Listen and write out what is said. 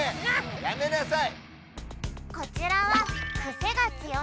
やめなさい！